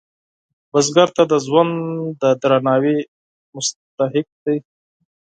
بزګر ته د ژوند د درناوي مستحق دی